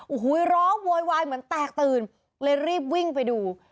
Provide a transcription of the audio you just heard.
โอ้โหร้องโวยวายเหมือนแตกตื่นเลยรีบวิ่งไปดู